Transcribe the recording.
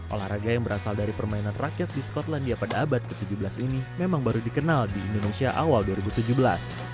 olahraga yang berasal dari permainan rakyat di skotlandia pada abad ke tujuh belas ini memang baru dikenal di indonesia awal dua ribu tujuh belas